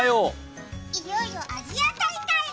いよいよアジア大会。